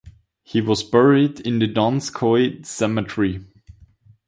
He was buried at the Donskoy cemetery.